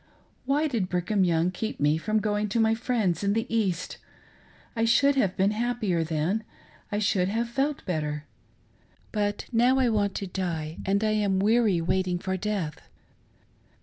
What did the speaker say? Why did Brigham Young keep nle from going to my friends in the East.' I should have been happier then — I should have felt better. But now I want to die, and I am weary waiting for death."